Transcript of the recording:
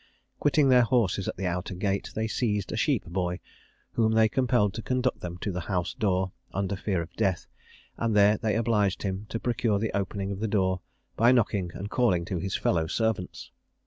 Quitting their horses at the outer gate, they seized a sheep boy, whom they compelled to conduct them to the house door, under fear of death; and they there obliged him to procure the opening of the door by knocking and calling to his fellow servants.